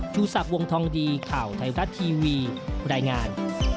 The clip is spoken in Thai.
ชูศักดิ์วงทองดีข่าวไทยรัฐทีวีรายงาน